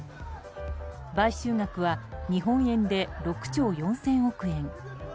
買収額は日本円で６兆４０００億円。